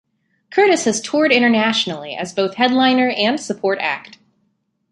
Curtis has toured internationally as both headliner and support act.